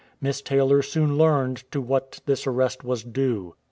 Miss Taylor soon learned to what this arrest was due.